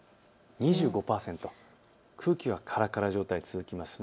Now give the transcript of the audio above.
２５％、空気はからから状態、続きますね。